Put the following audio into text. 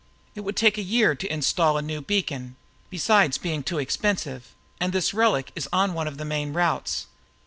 "It would take a year to install a new beacon besides being too expensive and this relic is on one of the main routes.